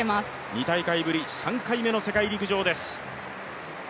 ２大会ぶり、３回目の世界陸上です。